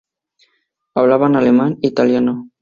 Hablaba alemán, italiano.